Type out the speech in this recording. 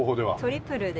トリプル？